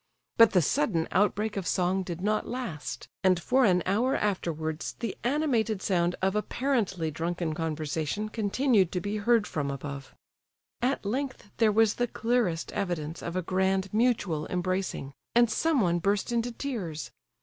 But the sudden outbreak of song did not last; and for an hour afterwards the animated sound of apparently drunken conversation continued to be heard from above. At length there was the clearest evidence of a grand mutual embracing, and someone burst into tears.